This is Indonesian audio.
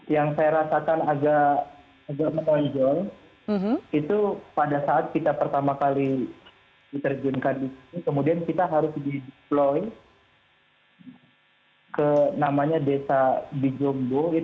yang saya rasakan agak menonjol itu pada saat kita pertama kali diterjunkan di sini kemudian kita harus di deploy ke namanya desa di jombo